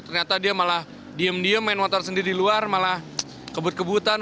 ternyata dia malah diem diem main motor sendiri di luar malah kebut kebutan